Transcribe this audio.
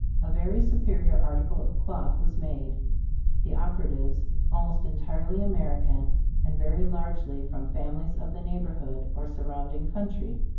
A very superior article of cloth was made, the operatives almost entirely American, and very largely from families of the neighborhood or surrounding country.